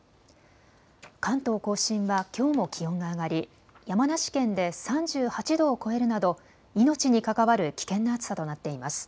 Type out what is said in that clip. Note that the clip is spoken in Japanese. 関東甲信はきょうも気温が上がり山梨県で３８度を超えるなど命に関わる危険な暑さとなっています。